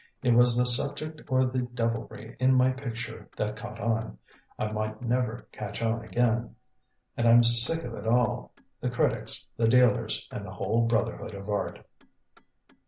It was the subject or the devilry in my picture that caught on. I might never catch on again and I'm sick of it all the critics, the dealers, and the whole brotherhood of art."